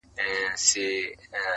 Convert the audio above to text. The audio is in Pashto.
انسان وجدان سره مخ دی تل,